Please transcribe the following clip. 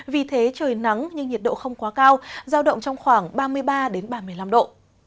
vì thế trời nắng nhưng nhiệt độ không quá cao giao động trong khoảng ba mươi ba ba mươi năm độ